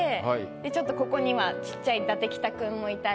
ちょっとここにはちっちゃい館北くんもいたり。